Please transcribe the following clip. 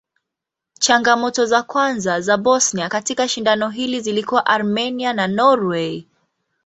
Changamoto za kwanza za Bosnia katika shindano hili zilikuwa Armenia na Norway.